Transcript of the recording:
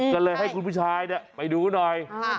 ก็เลยให้คุณผู้ชายไปดูหน่อย